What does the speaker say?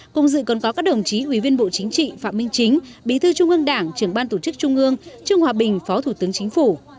cùng dự còn có các đồng chí ủy viên bộ chính trị phạm minh chính bí thư trung ương đảng trưởng ban tổ chức trung ương trương hòa bình phó thủ tướng chính phủ